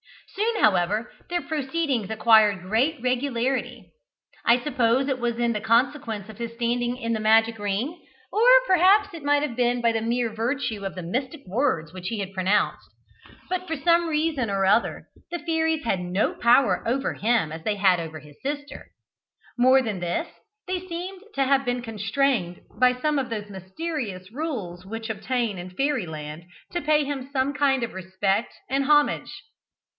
Soon, however, their proceedings acquired greater regularity. I suppose it was in consequence of his standing in the magic ring, or perhaps it might have been by the mere virtue of the mystic words which he had pronounced; but for some reason or other the fairies had no power over him as they had had over his sister. More than this, they seemed to have been constrained by some one of those mysterious rules which obtain in Fairy land to pay him some kind of respect and homage.